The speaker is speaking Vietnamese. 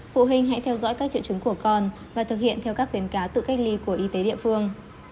phụ huynh hãy theo dõi các triệu chứng của con và thực hiện theo các khuyến cáo tự cách ly của y tế địa phương